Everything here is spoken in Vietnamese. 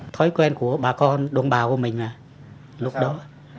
thói quen của bà con đồng bào của mình là lúc đó